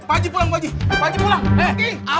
baji pulang baji baji pulang